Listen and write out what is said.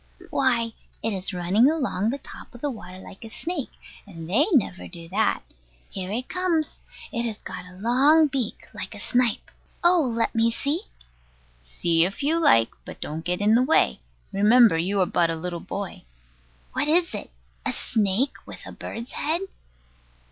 Why, it is running along the top of the water like a snake; and they never do that. Here it comes. It has got a long beak, like a snipe. Oh, let me see. See if you like: but don't get in the way. Remember you are but a little boy. What is it? a snake with a bird's head?